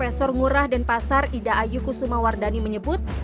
yang berada di surah dan pasar ida ayu kusumawardhani menyebut